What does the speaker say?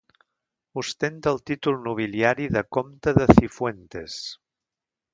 Ostenta el títol nobiliari de comte de Cifuentes.